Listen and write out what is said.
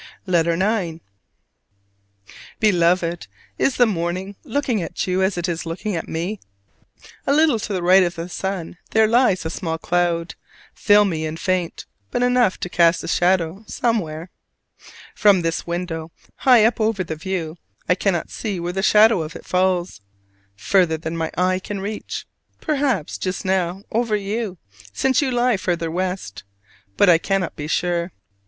LETTER IX. Beloved: Is the morning looking at you as it is looking at me? A little to the right of the sun there lies a small cloud, filmy and faint, but enough to cast a shadow somewhere. From this window, high up over the view, I cannot see where the shadow of it falls, further than my eye can reach: perhaps just now over you, since you lie further west. But I cannot be sure.